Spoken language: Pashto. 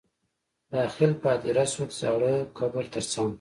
داخل په هدیره شو د زاړه قبر تر څنګ.